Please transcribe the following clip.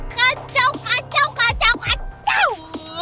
kacau kacau kacau kacau